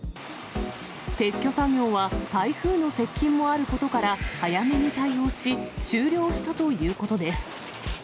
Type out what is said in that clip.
撤去作業は台風の接近もあることから、早めに対応し、終了したということです。